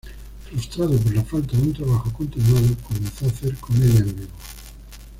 Frustrado por la falta de un trabajo continuado, comenzó a hacer comedia en vivo.